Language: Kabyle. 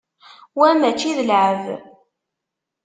Wa mačči d llεeb.